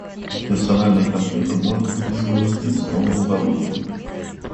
Персональный компьютер может быть несовместим с новым оборудованием